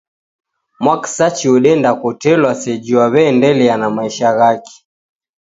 Mwakisachi odenda kotelwa seji wawendelea na maisha ghake